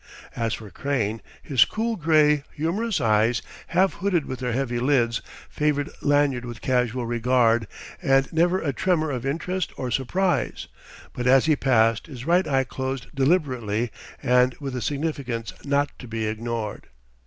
As for Crane, his cool gray, humorous eyes, half hooded with their heavy lids, favoured Lanyard with casual regard and never a tremor of interest or surprise; but as he passed his right eye closed deliberately and with a significance not to be ignored.